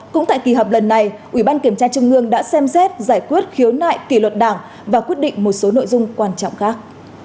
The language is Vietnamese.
cũng tại kỳ họp lần này ủy ban kiểm tra trung ương đã xem xét giải quyết khiếu nại kỷ luật đảng và quyết định một số nội dung quan trọng khác